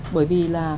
bởi vì là